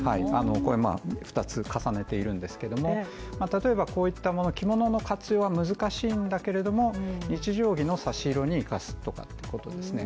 これ二つ重ねているんですけども例えばこういったもの着物の活用は難しいんだけれども日常着の差し色に生かすとかっていうことですね。